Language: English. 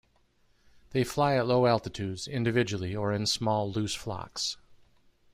They fly at low altitudes, individually or in small, loose flocks.